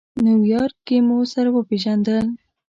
نیویارک کې مو سره وپېژندل.